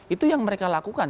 itu yang mereka lakukan